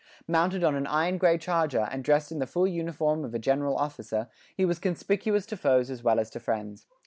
Mounted on an iron grey charger, and dressed in the full uniform of a general officer, he was conspicuous to foes as well as to friends.